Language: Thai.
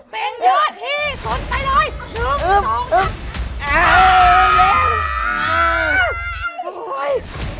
เบงเยอะที่สุดไปเลย๑๒๓